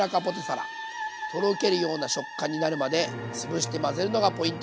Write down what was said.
とろけるような食感になるまでつぶして混ぜるのがポイント。